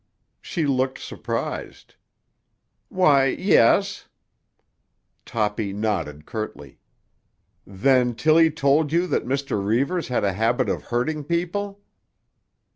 She looked surprised. "Why, yes." Toppy nodded curtly. "Then Tilly told you that Mr. Reivers had a habit of hurting people?"